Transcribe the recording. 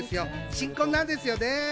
新婚なんですよね。